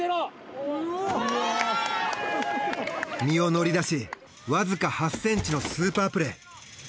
身を乗り出しわずか８ｃｍのスーパープレー。